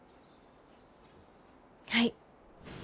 はい。